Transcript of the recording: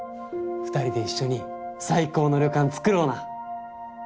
２人で一緒に最高の旅館つくろうな！